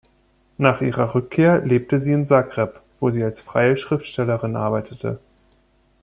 Nach ihrer Rückkehr lebte sie in Zagreb, wo sie als freie Schriftstellerin arbeitete.